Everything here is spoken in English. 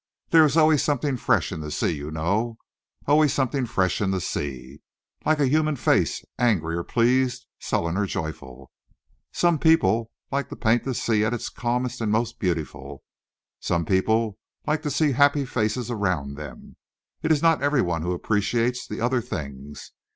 There is always something fresh in the sea, you know always something fresh in the sea. Like a human face angry or pleased, sullen or joyful. Some people like to paint the sea at its calmest and most beautiful. Some people like to see happy faces around them. It is not every one who appreciates the other things.